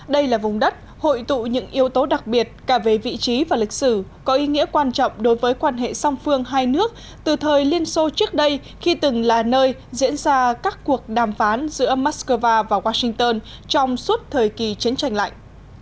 đây là vùng đất hội tụ những yếu tố đặc biệt cả về vị trí và lịch sử có ý nghĩa quan trọng đối với quan hệ song phương hai nước từ thời liên xô trước đây khi từng là nơi diễn ra các cuộc đàm phán giữa moscow và washington trong suốt thời kỳ chiến tranh lạnh